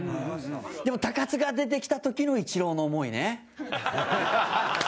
でも、高津が出てきた時のイチローの思いね。